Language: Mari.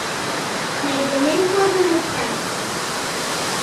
— Мый денем корным оптат?